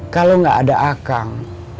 kalau gak ada akang